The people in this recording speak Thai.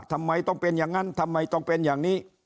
ทำไมต้องเป็นอย่างนั้นทำไมต้องเป็นอย่างนี้